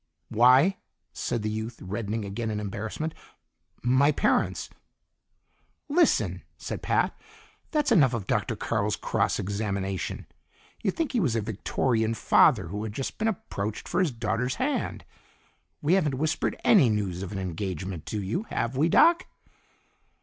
"Why," said the youth, reddening again in embarrassment, "my parents " "Listen!" said Pat. "That's enough of Dr. Carl's cross examination. You'd think he was a Victorian father who had just been approached for his daughter's hand. We haven't whispered any news of an engagement to you, have we, Doc?"